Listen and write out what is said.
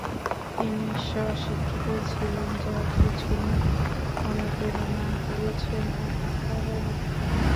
তিনি স্ব-শিক্ষিত ছিলেন যার পেছনে অনুপ্রেরণা দিয়েছেন উনার বাবা-মা।